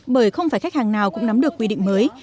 bởi không phải khách hàng nào cũng nắm được quy định mới